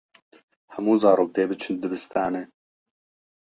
Hemû zarok dê biçin dibistanê.